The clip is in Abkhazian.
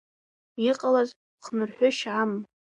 Иҟалаз хнырҳәышьа амам.